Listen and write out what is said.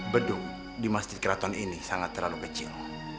bedung di masjid keraton ini sangat terlalu kecil